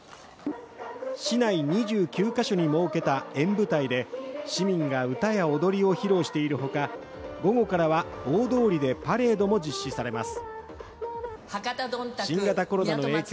市内２９ヶ所に設けた演舞台で市民が歌や踊りを披露しているほか、午後からは大通りでパレードも実施されます。